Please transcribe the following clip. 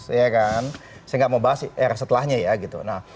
saya gak mau bahas era setelahnya ya